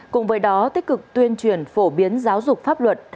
cùng với đó tích cực tuyên truyền phổ biến giáo dục pháp luật